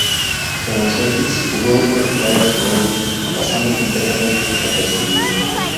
En los Celtics jugó dos temporadas y media, pasando completamente desapercibido.